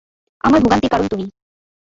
আমার ভোগান্তির কারণ তুমি।